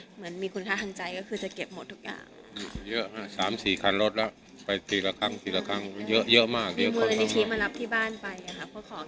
เหมือนมีคุณค่าทางใจก็คือจะเก็บหมดทุกอย่าง